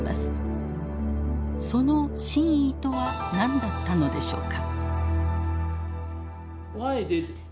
その真意とは何だったのでしょうか。